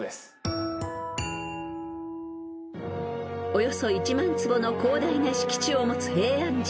［およそ１万坪の広大な敷地を持つ平安神宮］